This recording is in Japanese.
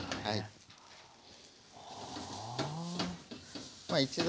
はい。